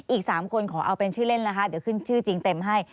อีก๓คนขอเอาเป็นชื่อเล่นนะคะเดี๋ยวขึ้นชื่อจริงเต็มให้